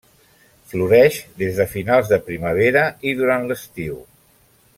Floreix des de finals de primavera i durant l’estiu.